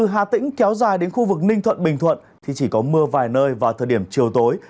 hà tĩnh kéo dài đến khu vực ninh thuận bình thuận thì chỉ có mưa vài nơi vào thời điểm chiều tối